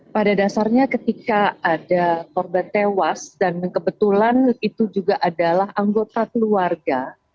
pada dasarnya ketika ada korban tewas dan kebetulan itu juga adalah anggota keluarga